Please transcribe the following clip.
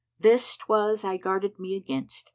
this 'twas I guarded me against!